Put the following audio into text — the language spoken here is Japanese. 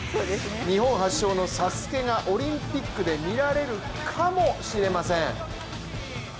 日本発祥の「ＳＡＳＵＫＥ」がオリンピックで見られるかもしれません。